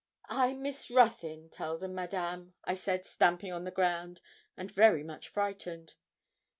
'I'm Miss Ruthyn, tell them, Madame,' I said, stamping on the ground, and very much frightened.